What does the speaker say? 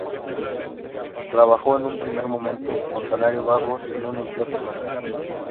Trabajó en un primer momento con salario bajo, sin un empleo permanente.